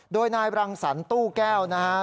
โดยนายบรังสรรตู้แก้วนะฮะ